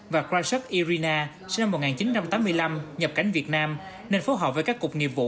và krasov irina sinh năm một nghìn chín trăm tám mươi năm nhập cảnh việt nam nên phối hợp với các cục nghiệp vụ